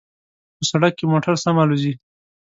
په سړک کې موټر سم الوزي